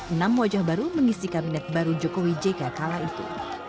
enam wajah baru mengisi kabinet baru jokowi jk kala itu